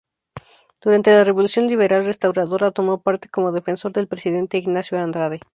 Durante la Revolución Liberal Restauradora tomó parte como defensor del presidente Ignacio Andrade.